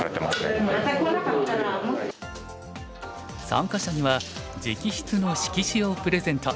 参加者には直筆の色紙をプレゼント。